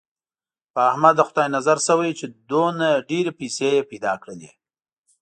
په احمد د خدای نظر شوی، چې دومره ډېرې پیسې یې پیدا کړلې.